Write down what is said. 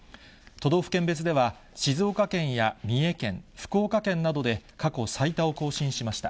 都道府県別では静岡県や三重県、福岡県などで過去最多を更新しました。